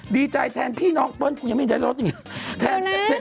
ดีใจแทนพี่น้องเปล้อนยังไม่ได้รับรสยิง